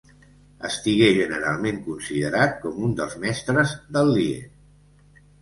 Estigué generalment considerat com un dels mestres del lied.